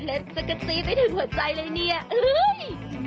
เล็บสกตรีไม่ถึงหัวใจเลยเนี่ยเฮ้ย